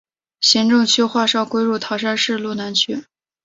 行政区划上归入唐山市路南区。